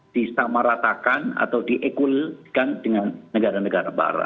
disamaratakan atau diekulkan dengan negara negara barat